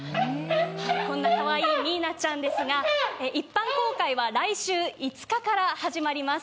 そんなかわいいミーナちゃんですが、一般公開は来週５日から始まります